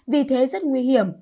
vì thế rất nguy hiểm